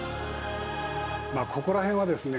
まあここら辺はですね